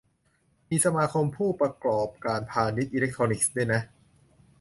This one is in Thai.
มี สมาคมผู้ประกอบการพาณิชย์อิเล็กทรอนิกส์ ด้วยนะ